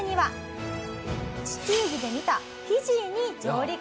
地球儀で見たフィジーに上陸。